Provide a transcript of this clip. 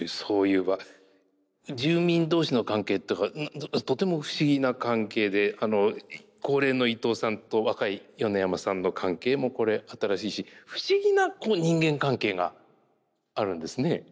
住民同士の関係ってとても不思議な関係で高齢の伊藤さんと若い米山さんの関係もこれ新しいし不思議な人間関係があるんですね。